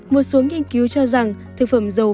một số nghiên cứu cho rằng thực phẩm dầu vitamin c